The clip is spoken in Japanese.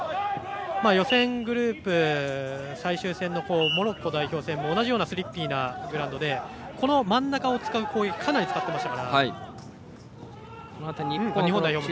予選グループ最終戦のモロッコ代表戦も同じようなスリッピーなグラウンドでこの真ん中を使う攻撃かなり使っていました。